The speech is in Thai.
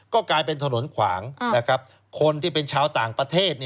ก็กลายเป็นถนนขวางคนที่เป็นชาวต่างประเทศ